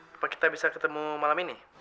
kenapa kita bisa ketemu malam ini